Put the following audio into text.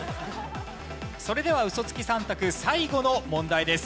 それではウソつき３択最後の問題です。